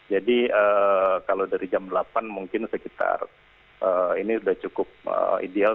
jadi kalau dari jam delapan mungkin sekitar ini sudah cukup ideal